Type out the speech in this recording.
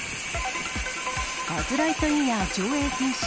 バズ・ライトイヤー上映禁止。